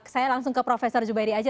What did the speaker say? saya langsung ke prof zubairi aja